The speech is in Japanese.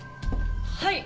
はい！